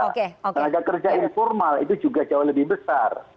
tenaga kerja informal itu juga jauh lebih besar